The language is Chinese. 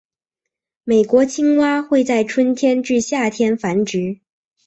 美国青蛙会在春天至夏天繁殖。